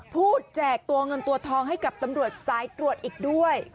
แจกตัวเงินตัวทองให้กับตำรวจสายตรวจอีกด้วย